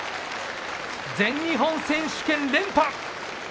全日本選手権、連覇。